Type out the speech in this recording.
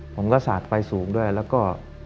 สาดไฟสูงด้วยแล้วก็